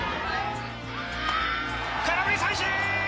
空振り三振！